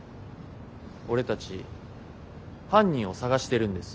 俺たち犯人を捜してるんです。